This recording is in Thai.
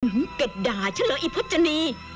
เหิงเกะด่าฉันเหรออิพัจจนี